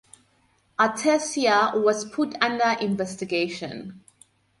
Artesia was put under investigation.